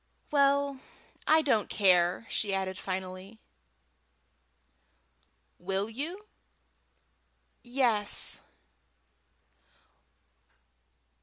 "Well, I don't care," she added, finally. "Will you?" "Yes."